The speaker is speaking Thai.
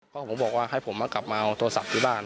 ก็ผมบอกว่าให้ผมมากลับมาเอาโทรศัพท์ที่บ้าน